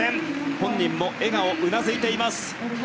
本人も笑顔、うなずいています。